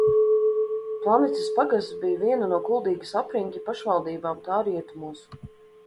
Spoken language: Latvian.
Planicas pagasts bija viena no Kuldīgas apriņķa pašvaldībām tā rietumos.